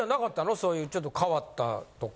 そういうちょっと変わったとか。